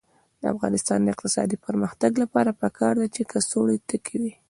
د افغانستان د اقتصادي پرمختګ لپاره پکار ده چې کڅوړې تکې وي.